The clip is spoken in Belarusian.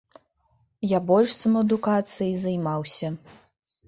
Я больш самаадукацыяй займаўся.